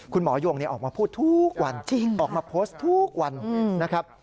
คุณหมอโยงนี่ออกมาพูดทุกวันจริงออกมาโพสต์ทุกวันนะครับ